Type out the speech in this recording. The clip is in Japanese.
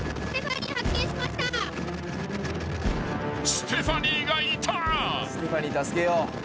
［ステファニーがいた］